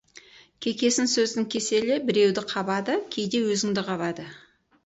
Кекесін сөздің кеселі біреуді қабады, кейде өзіңді қабады.